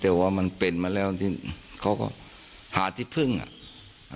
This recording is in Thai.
แต่ว่ามันเป็นมาแล้วที่เขาก็หาที่พึ่งอ่ะ